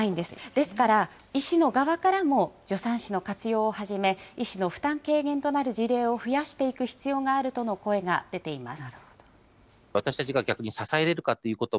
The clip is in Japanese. ですから、医師の側からも助産師の活用をはじめ、医師の負担軽減となる事例を増やしていく必要があるとの声が出ています。